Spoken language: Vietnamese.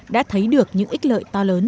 đã thấy được những ít lợi to lớn